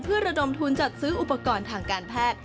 เพื่อระดมทุนจัดซื้ออุปกรณ์ทางการแพทย์